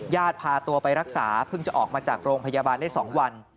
พาตัวไปรักษาเพิ่งจะออกมาจากโรงพยาบาลได้๒วัน